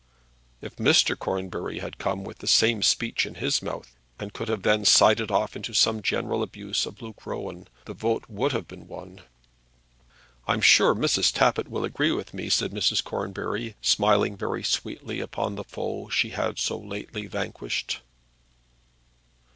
If Mr. Cornbury had come with the same speech in his mouth, and could then have sided off into some general abuse of Luke Rowan, the vote would have been won. "I'm sure Mrs. Tappitt will agree with me," said Mrs. Cornbury, smiling very sweetly upon the foe she had so lately vanquished.